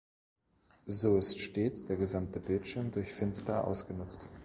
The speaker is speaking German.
So ist stets der gesamte Bildschirm durch Fenster ausgenutzt.